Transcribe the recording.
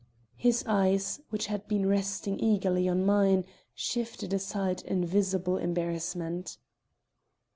His eyes, which had been resting eagerly on mine, shifted aside in visible embarrassment.